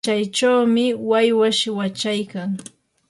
machaychawmi waywash wachaykan.